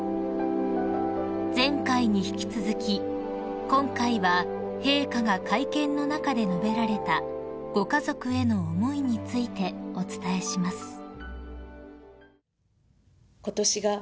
［前回に引き続き今回は陛下が会見の中で述べられたご家族への思いについてお伝えします］